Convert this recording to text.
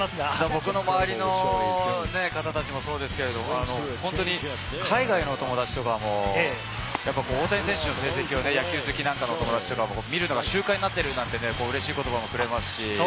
僕の周りの方たちもそうですけれど、海外の友達とかも大谷選手の成績、野球好きは見るのが習慣になっているという、うれしい言葉をくれます。